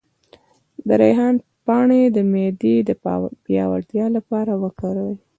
د ریحان پاڼې د معدې د پیاوړتیا لپاره وکاروئ